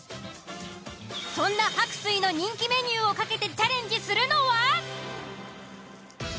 そんな「白水」の人気メニューを懸けてチャレンジするのは。